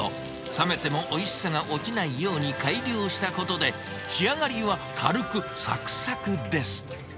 冷めてもおいしさが落ちないように改良したことで、仕上がりは軽く、さくさくです。